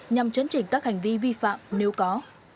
nhằm chấn chỉnh các hành vi vi phạm nếu có